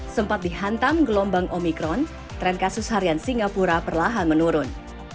sempat dihantam gelombang omikron tren kasus harian singapura perlahan menurun